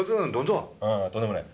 ああとんでもない。